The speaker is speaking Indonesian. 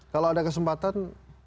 kalau ada kesempatan